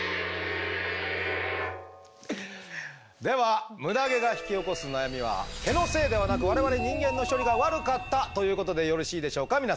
ではムダ毛が引き起こす悩みは毛のせいではなく我々人間の処理が悪かったということでよろしいでしょうか？